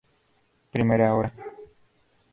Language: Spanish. Primera Hora.